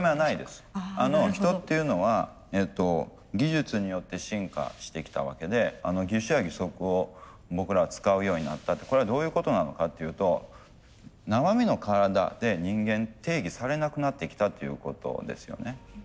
人っていうのは技術によって進化してきたわけで義手や義足を僕らが使うようになったってこれはどういうことなのかっていうと生身の体で人間定義されなくなってきたっていうことですよね。